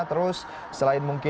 terus selain mungkin